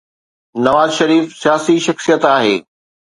نواز شريف سياسي شخصيت آهي.